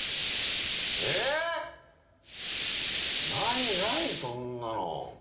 えぇ？ないないそんなの。